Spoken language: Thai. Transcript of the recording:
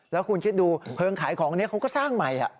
แล้วคุณคิดดูเพลิงขายของนี้เขาก็สร้างใหม่